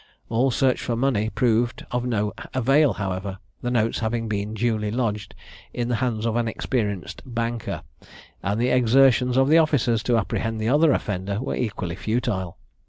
All search for money proved of no avail however, the notes having been duly lodged in the hands of an experienced "banker;" and the exertions of the officers to apprehend the other offender were equally futile.